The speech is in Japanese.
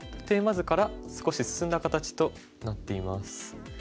テーマ図から少し進んだ形となっています。